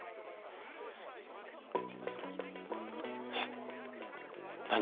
えっ？何？